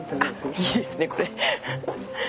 あいいですねこれ。